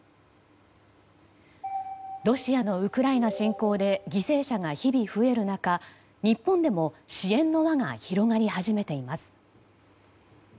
ロシアのウクライナ侵攻で犠牲者が日々、増える中日本でも支援の輪が広がり始めています。